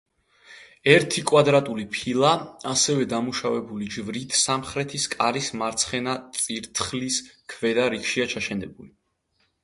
ერთი კვადრატული ფილა, ასევე დამუშავებული ჯვრით სამხრეთის კარის მარცხენა წირთხლის ქვედა რიგშია ჩაშენებული.